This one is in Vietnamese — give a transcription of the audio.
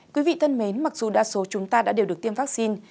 quý vị thân mến mặc dù đa số chúng ta đã đều được tiêm vaccine